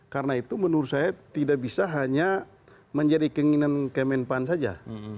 karena itu menurut saya tidak bisa hanya menjadi keinginan kemenpan saja